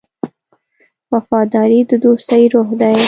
وفاداري د دوستۍ روح دی.